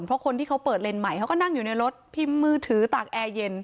เพราะคนที่เขาเปิดเลนส์ใหม่เขาก็นั่งอยู่ในรถพิมพ์มือถือตากแอร์เย็น